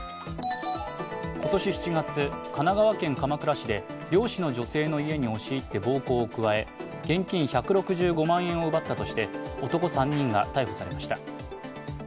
今年７月、神奈川県鎌倉市で漁師の女性の家に押し入って暴行を加え現金１６５万円を奪ったとして男３人が逮捕されました。